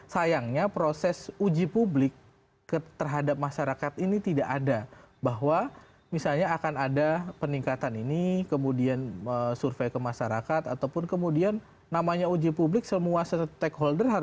sampai jumpa di video selanjutnya